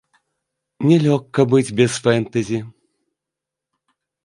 Не лёгка быць без фэнтэзі.